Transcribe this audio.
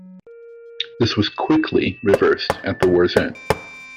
This was quickly reversed at the war's end.